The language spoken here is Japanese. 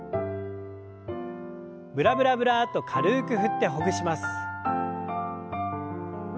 ブラブラブラッと軽く振ってほぐします。